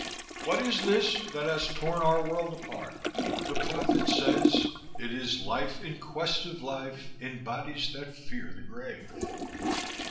What is this that has torn our world apart? The Prophet says: 'It is life in quest of life, in bodies that fear the grave.'